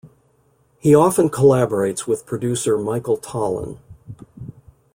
He often collaborates with producer Michael Tollin.